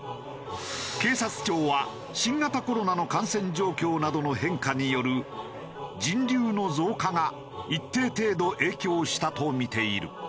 警察庁は新型コロナの感染状況などの変化による人流の増加が一定程度影響したとみている。